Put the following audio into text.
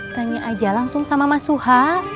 tanya aja langsung sama mas suha